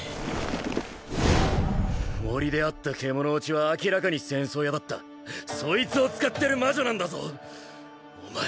森で会った獣堕ちは明らかに戦争屋だったそいつを使ってる魔女なんだぞお前